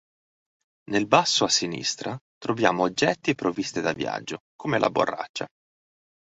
Nel basso a sinistra troviamo oggetti e provviste da viaggio come la borraccia.